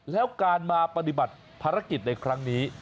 แล้วการมาปฏิบัติภารกิจในครั้งนี้